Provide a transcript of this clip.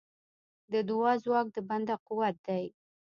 د دعا ځواک د بنده قوت دی.